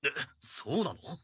そうなの？